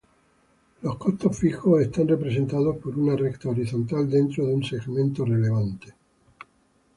Los "costos fijos" están representados por una recta horizontal dentro de un segmento relevante.